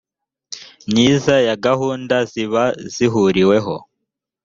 myiza ya gahunda ziba zihuriweho